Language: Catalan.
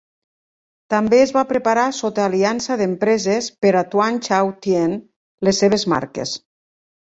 També es va preparar sota aliança d"empreses per a Tuan Chau Tien, les seves marques.